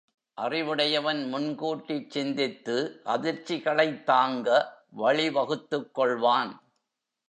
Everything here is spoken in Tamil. அறிவுடையவன் முன்கூட்டிச் சிந்தித்து அதிர்ச்சிகளைத் தாங்க வழிவகுத்துக் கொள்வான்.